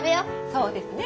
そうですね